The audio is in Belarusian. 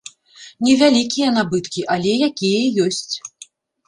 Невялікія набыткі, але якія ёсць.